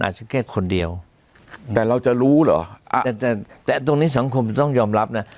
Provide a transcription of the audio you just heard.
ฉันแค่คนเดียวแต่เราจะรู้เหรอแต่แต่ตรงนี้สังคมต้องยอมรับนะ